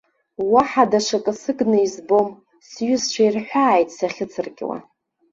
Уаҳа даҽакы сыгны избом, сҩызцәа ирҳәааит сахьыцыркьуа.